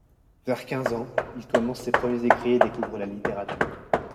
Vers quinze ans, il commence ses premiers écrits et découvre la littérature.